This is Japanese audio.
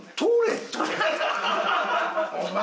お前！